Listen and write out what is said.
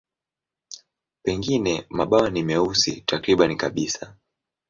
Pengine mabawa ni meusi takriban kabisa.